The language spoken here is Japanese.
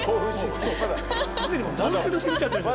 すでに男性として見ちゃってる。